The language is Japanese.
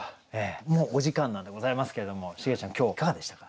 もうお時間なんでございますけれどもシゲちゃん今日いかがでしたか？